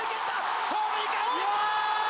ホームにかえってきた！